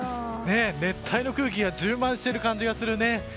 熱帯の空気が充満している感じがするね。